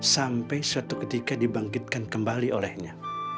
sampai suatu ketika dibangkitkan kembali olehnya